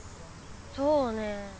そうね。